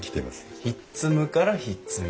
ひっつむからひっつみ。